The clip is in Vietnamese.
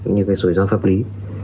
những rủi ro pháp lý